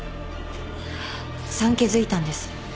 産気づいたんです。